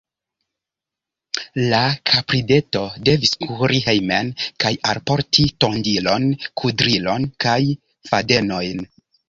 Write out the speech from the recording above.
La kaprideto devis kuri hejmen kaj alporti tondilon, kudrilon kaj fadenojn.